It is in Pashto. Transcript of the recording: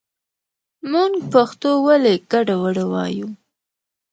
مونږ پښتو ولې ګډه وډه وايو